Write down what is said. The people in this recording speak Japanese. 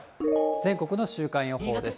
全国の週間予報です。